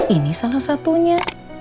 ini salah satunya